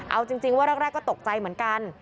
เอาจริงว่าแรกก็ตกใจเหมือนกัน